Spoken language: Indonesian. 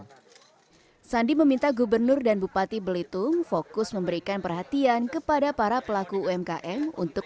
sandi meminta gubernur dan bupati belitung fokus memberikan perhatian kepada para pelaku umkm untuk